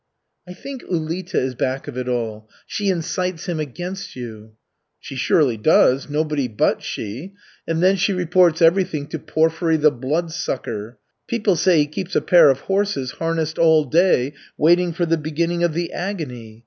'" "I think Ulita is back of it all. She incites him against you." "She surely does, nobody but she. And then she reports everything to Porfiry the Bloodsucker. People say he keeps a pair of horses harnessed all day waiting for the beginning of the agony.